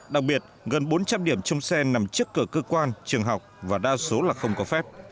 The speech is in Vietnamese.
đặc biệt gần bốn trăm linh điểm chung xe nằm trước cửa cơ quan trường học và đa số là không có phép